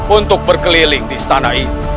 untuk berkeliling di istana ini